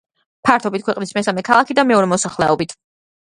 ფართობით ქვეყნის მესამე ქალაქი და მეორე მოსახლეობით.